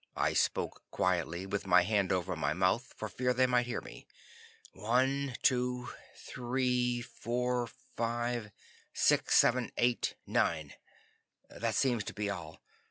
I spoke quietly, with my hand over my mouth, for fear they might hear me. "One two three four, five six seven eight nine. That seems to be all.